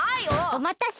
おまたせ。